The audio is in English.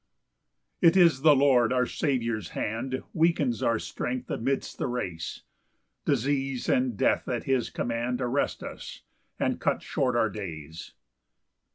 1 It is the Lord our Saviour's hand Weakens our strength amidst the race; Disease and death at his command Arrest us, and cut short our days.